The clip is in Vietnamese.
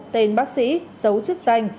tên bác sĩ dấu chức danh